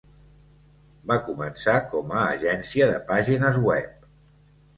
Va començar com a agència de pàgines web.